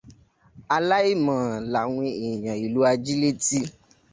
Aláìmọ̀ làwọn èèyàn ìlú Ajílété.